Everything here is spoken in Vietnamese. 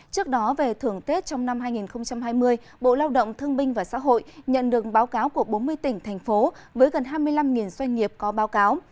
trước đó về thưởng tết trong năm hai nghìn hai mươi bộ lao động thương binh và xã hội nhận được báo cáo của bốn mươi tỉnh thành phố với gần hai mươi năm doanh nghiệp có báo cáo